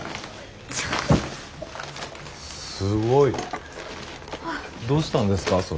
すごい！どうしたんですか？